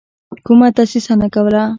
کومه دسیسه نه کوله.